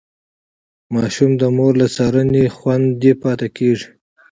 ماشوم د مور له څارنې خوندي پاتې کېږي.